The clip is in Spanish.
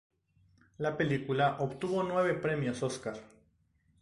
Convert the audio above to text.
La película obtuvo nueve premios Óscar.